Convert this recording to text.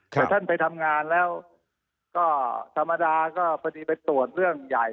แต่ท่านไปทำงานแล้วก็ธรรมดาก็พอดีไปตรวจเรื่องใหญ่